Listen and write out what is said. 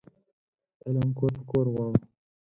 علم کور په کور غواړو